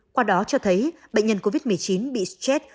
qua đó cho thấy bệnh nhân covid một mươi chín bị stress